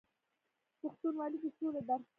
پښتونولي د سولې درس دی.